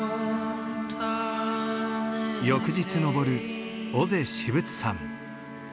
翌日登る尾瀬至仏山。